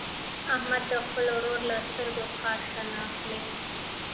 احمده د خپل ورور له سترګو خاشه نه اخلي.